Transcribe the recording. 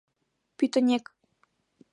Пӱтынек